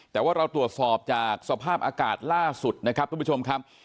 แต่ว่าเราตรวจสอบจากสภาพอากาศล่าสุดนะครับทุกผู้ชมครับ